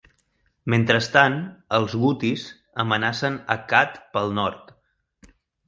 Mentrestant els gutis amenacen Accad pel nord.